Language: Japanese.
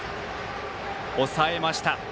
抑えました。